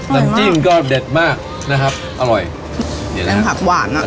น้ำจิ้มก็เด็ดมากนะครับอร่อยเด็ดแป้งผักหวานอ่ะ